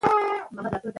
ماشومان شور نه کوي.